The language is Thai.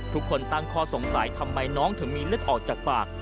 ทุกคนตั้งข้อสงสัยทำไมน้องถึงมีเลือดออกจากปาก